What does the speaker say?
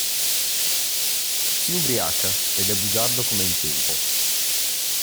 Si ubriaca, ed è bugiardo come il tempo.